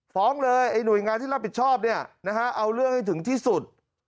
ฟ้องเลยไอ้หน่วยงานที่รับผิดชอบเนี่ยนะฮะเอาเรื่องให้ถึงที่สุด